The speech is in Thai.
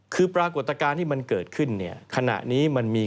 คือปรากฏการณ์ที่มันเกิดขึ้นเนี่ยขณะนี้มันมี